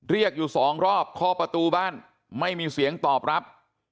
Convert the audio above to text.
เรียกอยู่สองรอบข้อประตูบ้านไม่มีเสียงตอบรับ